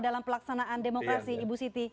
dalam pelaksanaan demokrasi ibu siti